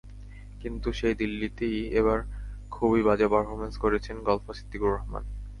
কিন্তু সেই দিল্লিতেই এবার খুবই বাজে পারফরম্যান্স করেছেন গলফার সিদ্দিকুর রহমান।